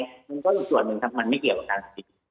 มันก็อีกส่วนหนึ่งครับมันไม่เกี่ยวกับการปิด